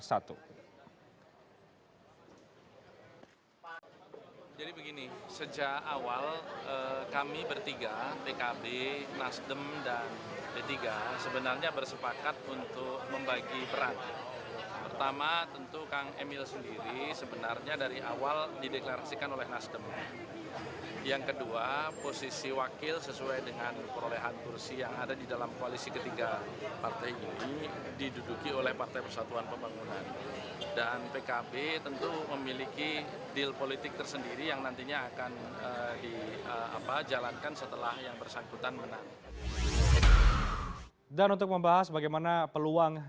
jadi begini sejak awal kami bertiga pkb nasdem dan d tiga sebenarnya bersepakat untuk membagi peran